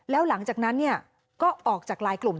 แล้วหลังจากนั้นก็ออกจากลายกลุ่ม